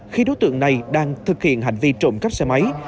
khi đối tượng này đang thực hiện hành vi trộm cắp xe máy